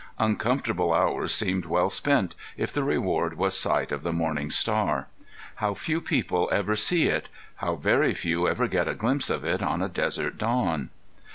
Uncomfortable hours seemed well spent if the reward was sight of the morning star. How few people ever see it! How very few ever get a glimpse of it on a desert dawn!